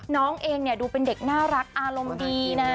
น้องเองเนี่ยดูเป็นเด็กน่ารักอารมณ์ดีนะ